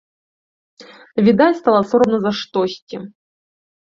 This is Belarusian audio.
Відаць, стала сорамна за штосьці.